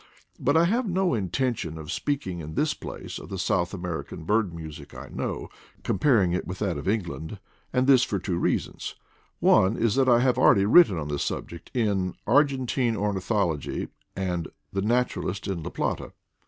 But I have no intention of speaking in this place of the South American bird music I know, comparing it with that of England. And this for two reasons. One is that I have already written on this subject in Argentine Ornithology and The Naturalist in La Plata.